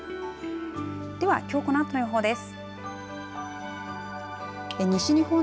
ではきょうこのあとの予報です。